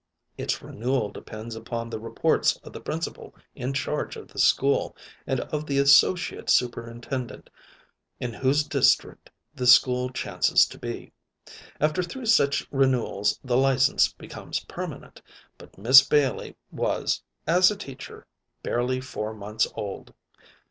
Its renewal depends upon the reports of the Principal in charge of the school and of the Associate Superintendent in whose district the school chances to be. After three such renewals the license becomes permanent, but Miss Bailey was, as a teacher, barely four months old.